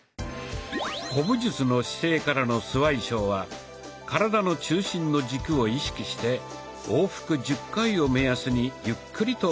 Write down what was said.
古武術の姿勢からのスワイショウは体の中心の軸を意識して往復１０回を目安にゆっくりと行いましょう。